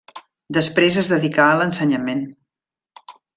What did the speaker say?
Després es dedicà a l'ensenyament.